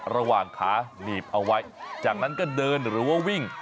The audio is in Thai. ระหว่างขาหนีบเอาไว้จากนั้นก็เดินหรือว่าวิ่ง